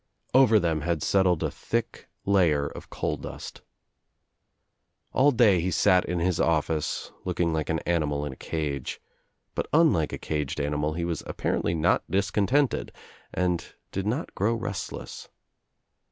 Over them had settled a thick . layer of coal dust. AH day he sat in his office looking like an animal In a cage, but unlike a caged animal he I was apparently not discontented and did not grow restless.